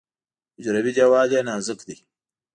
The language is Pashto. حجروي دیوال یې نازک دی.